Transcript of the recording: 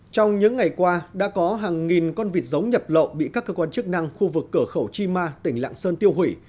trong những ngày qua đã có hàng nghìn con vịt giống nhập lộ bị các cơ quan chức năng khu vực cửa khẩu chima tỉnh lạng sơn tiêu hủy